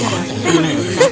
oh ya ampun